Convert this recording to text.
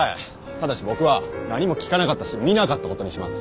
ただし僕は何も聞かなかったし見なかったことにします。